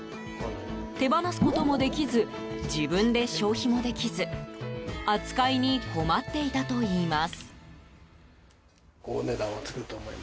手放すこともできず自分で消費もできず扱いに困っていたといいます。